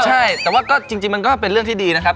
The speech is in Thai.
ใช่แต่ว่าก็จริงมันก็เป็นเรื่องที่ดีนะครับ